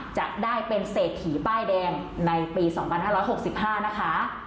จะได้เป็นเศษถีป้ายแดงในปีสองพันห้าร้อยหกสิบห้านะคะ